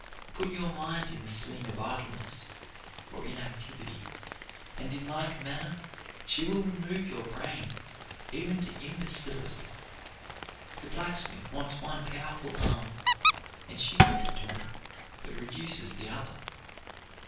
Put your mind in the sling of idleness, or inactivity, and in like manner she will remove your brain, even to imbecility. The blacksmith wants one powerful arm, and she gives it to him, but reduces the other.